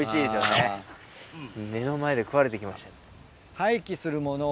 目の前で食われて行きましたね。